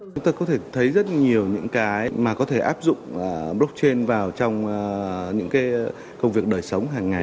chúng ta có thể thấy rất nhiều những cái mà có thể áp dụng blockchain vào trong những công việc đời sống hàng ngày